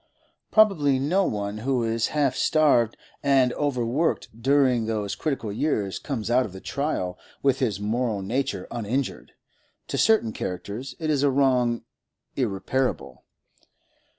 Probably no one who is half starved and overworked during those critical years comes out of the trial with his moral nature uninjured; to certain characters it is a wrong irreparable.